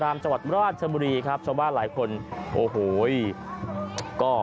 คุณผู้ชมไปฟังเสียงกันหน่อยว่าเค้าทำอะไรกันบ้างครับ